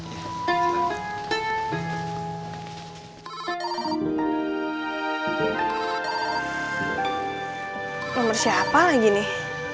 nomor siapa lagi nih